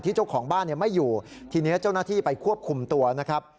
เจ้าของบ้านไม่อยู่ทีนี้เจ้าหน้าที่ไปควบคุมตัวนะครับ